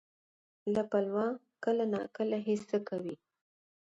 له پلوه کله ناکله هڅه کوي،